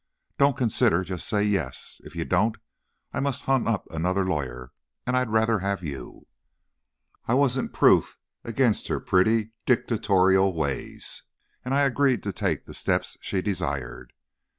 "Don't consider, just say yes! If you don't I must hunt up another lawyer, and I'd rather have you." I wasn't proof against her pretty, dictatorial ways, and I agreed to take the steps she desired.